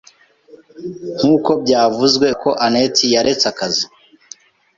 Nkuko byavuzwe, wigeze wumva ko anet yaretse akazi?